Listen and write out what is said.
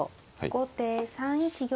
後手３一玉。